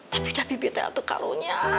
tapi dabi bibitnya tuh karunya